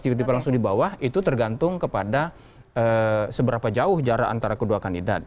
tiba tiba langsung di bawah itu tergantung kepada seberapa jauh jarak antara kedua kandidat